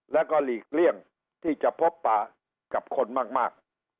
แล้วก็หลีกเลี่ยงที่จะพบป่ากับคนมาก